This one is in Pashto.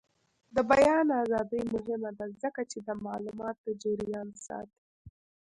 د بیان ازادي مهمه ده ځکه چې د معلوماتو جریان ساتي.